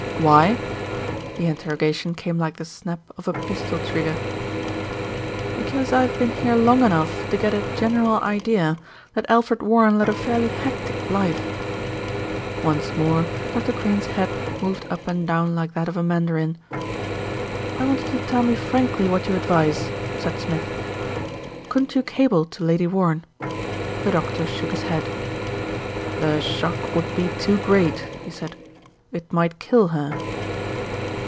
"Why?" The interrogation came like the snap of a pistol trigger. "Because I have been here long enough to get a general idea that Alfred Warren led a fairly hectic life." Once more Dr. Crane's head moved up and down like that of a mandarin. "I want you to tell me frankly what you advise," said Smith. "Couldn't you cable to Lady Warren?" The doctor shook his head. "The shock would be too great," he said. "It might kill her."